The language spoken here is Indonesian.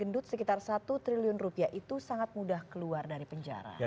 gendut sekitar satu triliun rupiah itu sangat mudah keluar dari penjara